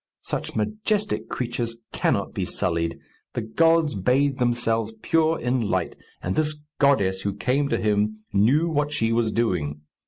Such majestic creatures cannot be sullied. The gods bathe themselves pure in light; and this goddess who came to him knew what she was doing.